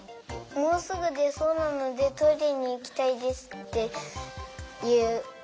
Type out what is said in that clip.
もうすぐでそうなのでトイレにいきたいですっていう。